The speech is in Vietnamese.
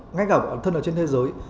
ngay gặp bản thân ở trên thế giới